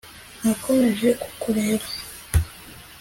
Nakomeje kukureba